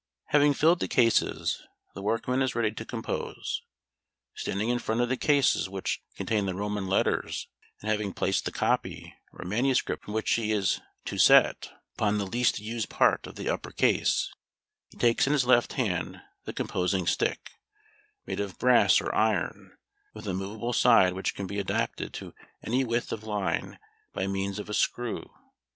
Having filled the cases, the workman is ready to "compose." Standing in front of the cases which contain the Roman letters, and having placed the "copy," or manuscript from which he is to set, upon the least used part of the upper case, he takes in his left hand the "composing stick," made of brass or iron, with a movable side which can be adapted to any width of line by means of a screw.